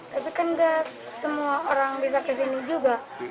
tapi kan gak semua orang bisa ke sini juga